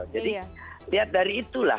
jadi lihat dari itulah